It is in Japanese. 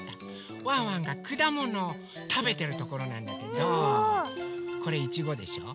ワンワンがくだものをたべてるところなんだけどこれいちごでしょ。